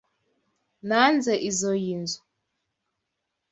Nanze izoi nzu.